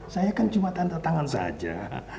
saya kan cuma tantatangan saja